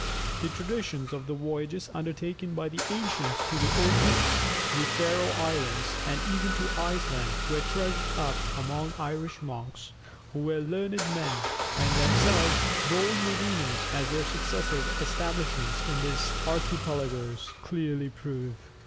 The traditions of the voyages undertaken by the ancients to the Orkneys, the Faröe Islands, and even to Iceland, were treasured up among the Irish monks, who were learned men, and themselves bold mariners, as their successive establishments in these archipelagos clearly prove.